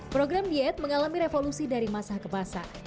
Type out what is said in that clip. program diet mengalami revolusi dari masa ke masa